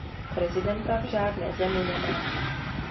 Prezidenta v žádné zemi nemá.